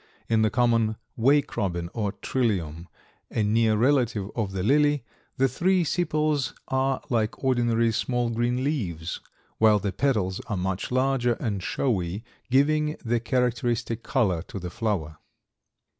In the common wake robin, or Trillium, a near relative of the lily, the three sepals are like ordinary small green leaves, while the petals are much larger and showy, giving the characteristic color to the flower.